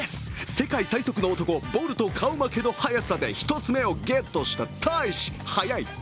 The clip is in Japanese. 世界最速の男、ボルト顔負けの速さで１つ目をゲットした大使、早い！